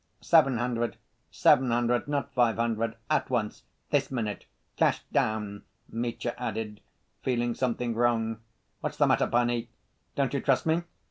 "Seven hundred, seven hundred, not five hundred, at once, this minute, cash down!" Mitya added, feeling something wrong. "What's the matter, panie? Don't you trust me?